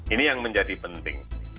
ini yang menjadi penting